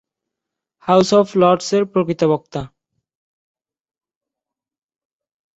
House of লর্ডসের প্রকৃত বক্তা।